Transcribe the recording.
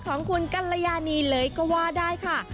ของคุณกัลยานีเลยก็ว่าได้ค่ะ